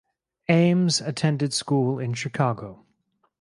Ames attended schools in Chicago.